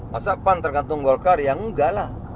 masa pan tergantung golkar ya enggak lah